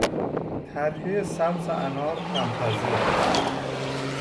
ترکهی سبز انار خمپذیر است.